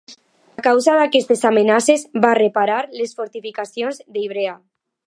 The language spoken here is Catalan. A causa d'aquestes amenaces va reparar les fortificacions d'Ivrea.